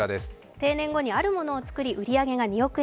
定年後にあるものを作り、売り上げが２億円。